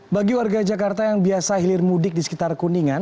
bagi warga jakarta yang biasa hilir mudik di sekitar kuningan